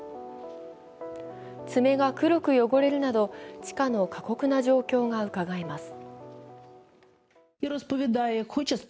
爪が黒く汚れるなど、地下の過酷な状況がうかがえます。